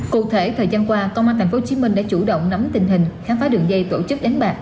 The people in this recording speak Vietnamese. cụ thể thời gian qua công an tp hcm đã chủ động nắm tình hình khám phá đường dây tổ chức đánh bạc